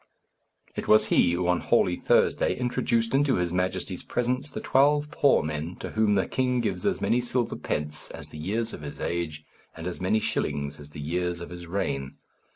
It was he who, on Holy Thursday, introduced into his Majesty's presence the twelve poor men to whom the king gives as many silver pence as the years of his age, and as many shillings as the years of his reign.